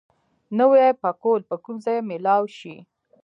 نوی پکول به کوم ځای مېلاو شي؟